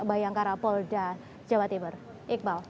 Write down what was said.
bayang karapol dan jawa timur iqbal